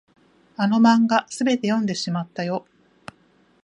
あの漫画、すべて読んでしまったよ。